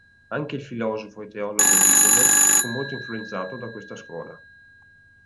Anche il filosofo e teologo Origene fu molto influenzato da questa scuola.